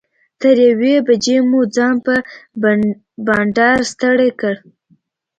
تر یوې بجې مو ځان په بنډار ستړی کړ.